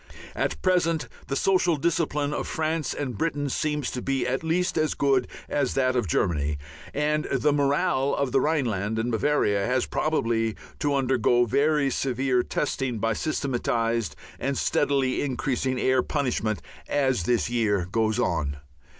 At present the social discipline of France and Britain seems to be at least as good as that of Germany, and the morale of the Rhineland and Bavaria has probably to undergo very severe testing by systematized and steadily increasing air punishment as this year goes on.